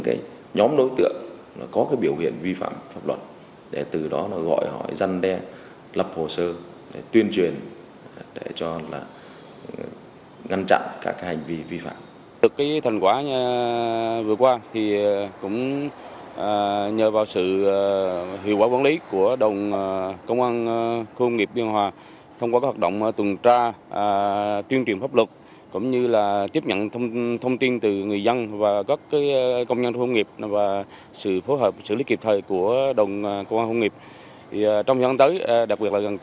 công an tp biên hòa đã triệt phá nhóm đối tượng quê tp hải phòng và tỉnh quảng ninh hoạt động tín dụng đen cho vai lãi nặng tại phường long bình tân